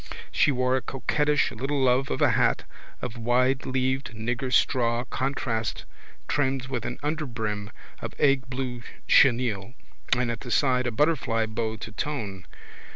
She wore a coquettish little love of a hat of wideleaved nigger straw contrast trimmed with an underbrim of eggblue chenille and at the side a butterfly bow of silk to tone.